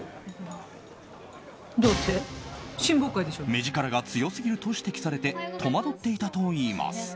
目力が強すぎると指摘されて戸惑っていたといいます。